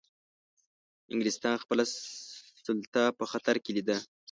انګلیسانو خپله سلطه په خطر کې لیده.